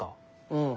うん。